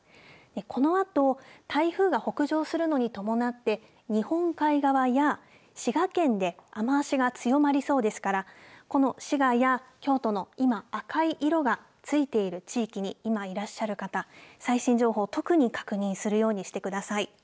このあと台風が北上するのに伴って日本海側や滋賀県で雨足が強まりそうですからこの滋賀や京都の今、赤い色がついている地域に今いらっしゃる方、最新情報、特に確認するようにしてください。